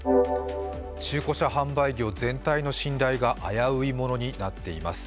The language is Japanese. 中古車販売業全体の信頼が危ういものになっています。